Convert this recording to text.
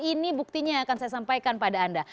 ini buktinya yang akan saya sampaikan pada anda